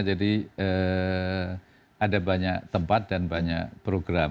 jadi ada banyak tempat dan banyak program